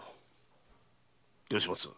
吉松。